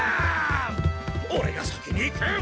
オレが先に行く！